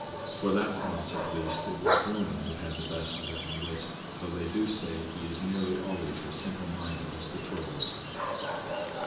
For that once at least it was Bruin who had the best of it in wit, though they do say he is nearly always as simple minded as the trolls.